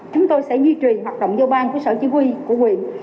chúng tôi sẽ duy trì hoạt động giao ban của sở chỉ huy của huyện